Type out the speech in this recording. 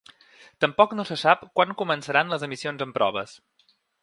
Tampoc no se sap quan començaran les emissions en proves.